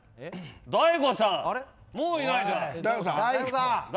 大悟さん、もういないじゃん。